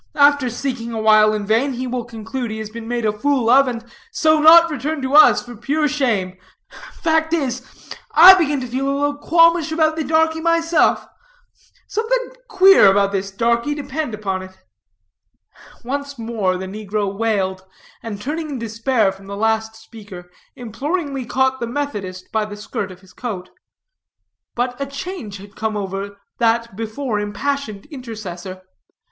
After seeking awhile in vain, he will conclude he has been made a fool of, and so not return to us for pure shame. Fact is, I begin to feel a little qualmish about the darkie myself. Something queer about this darkie, depend upon it." Once more the negro wailed, and turning in despair from the last speaker, imploringly caught the Methodist by the skirt of his coat. But a change had come over that before impassioned intercessor.